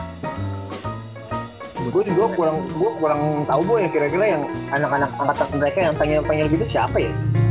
gue kurang tau gue kira kira yang anak anak angkatan mereka yang pengen gitu siapa ya